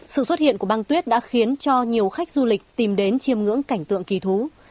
sự xuất hiện của băng tuyết đã khiến cho nhiều khách du lịch tìm đến chiêm ngưỡng cảnh tượng kỳ thú